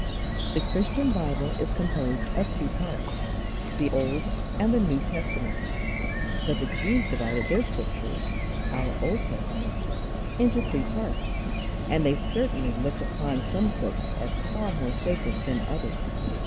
The Christian Bible is composed of two parts, the Old and the New Testament; but the Jews divided their Scriptures our Old Testament into three parts, and they certainly looked upon some books as far more sacred than others.